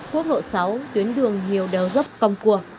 quốc lộ sáu tuyến đường hiếu đều dốc công cua